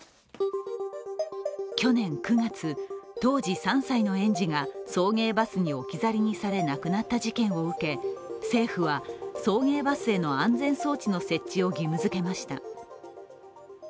去年９月、当時３歳の園児が、送迎バスに置き去りにされ亡くなった事件を受け、政府は送迎バスへの安全装置の設置を義務づけました。